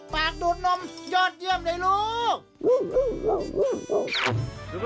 มาดูดนมยอดเยี่ยมเลยลูก